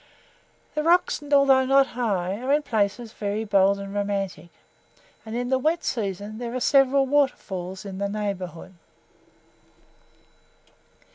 The rocks, although not high, are in places very bold and romantic, and in the wet season there are several water falls in the neighbourhood.